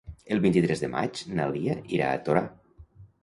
El vint-i-tres de maig na Lia irà a Torà.